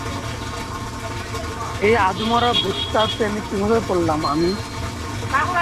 এই আধমরা ভূতটার প্রেমে কীভাবে পড়লাম আমি?